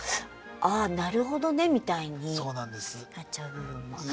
ああなるほどねみたいになっちゃう部分もあったり。